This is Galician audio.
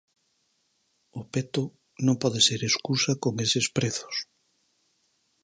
O peto non pode ser escusa con eses prezos.